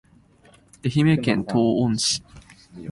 愛媛県東温市